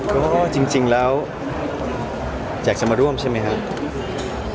ก็จริงแล้วอยากจะมาร่วมใช่ไหมครับ